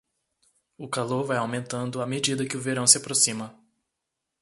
O calor vai aumentando à medida que o verão se aproxima.